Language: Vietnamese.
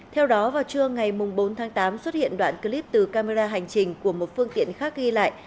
theo đó vào trưa ngày bốn tháng tám xuất hiện đoạn clip từ camera hành trình của một phương tiện khác ghi lại